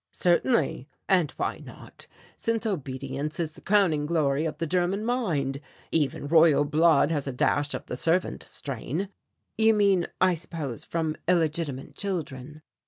"Certainly. And why not, since obedience is the crowning glory of the German mind? Even Royal blood has a dash of the servant strain." "You mean, I suppose, from illegitimate children?"